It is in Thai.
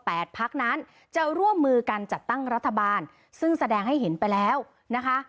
พักนั้นจะร่วมมือกันจัดตั้งรัฐบาลซึ่งแสดงให้เห็นไปแล้วนะคะ